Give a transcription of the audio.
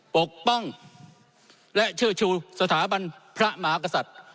ปกป้องและเชื่อชูสถาบันพระมหากษัตริย์